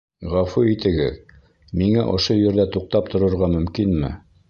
Ғәфү итегеҙ, миңә ошо ерҙә туҡтап торорға мөмкинме?